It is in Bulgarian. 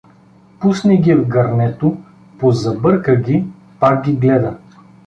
Пусне ги в гърнето, позарбърка ги, пак ги гледа.